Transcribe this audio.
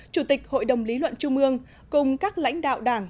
chủ tịch hội đồng lý luận trung ương cùng các lãnh đạo đảng